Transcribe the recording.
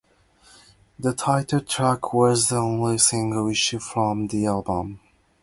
The title track was the only single issued from the album.